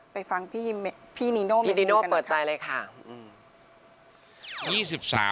ไปฟังพี่นีโน่แมนดีกันเลยค่ะอืมพี่นีโน่เปิดใจเลยค่ะ